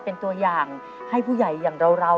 เป็นตัวอย่างให้ผู้ใหญ่อย่างเรา